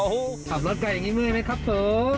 ขับรถไกลอย่างนี้เมื่อยไหมครับผม